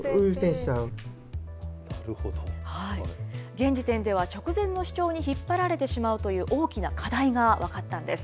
現時点では、直前の主張に引っ張られてしまうという大きな課題が分かったんです。